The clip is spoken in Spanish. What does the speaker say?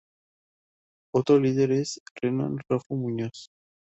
Otro líder es Renán Raffo Muñoz.